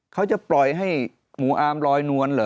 เขาจะปล่อยให้หมูอามลอยนวลเหรอ